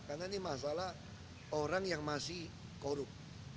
karena ini masalah orang yang masih korup